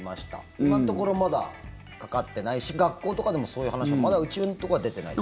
今のところまだかかってないし学校とかでもそういう話はまだうちのところは出てないです。